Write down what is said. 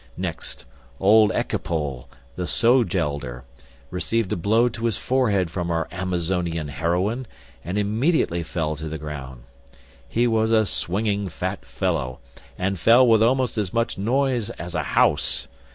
Next, old Echepole, the sowgelder, received a blow in his forehead from our Amazonian heroine, and immediately fell to the ground. He was a swinging fat fellow, and fell with almost as much noise as a house.